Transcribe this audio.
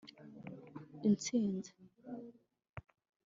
intsinzi